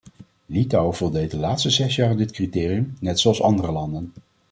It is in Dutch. Litouwen voldeed de laatste zes jaar aan dit criterium, net zoals andere landen.